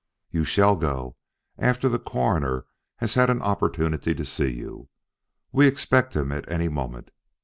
"You shall go, after the Coroner has had an opportunity to see you. We expect him any moment.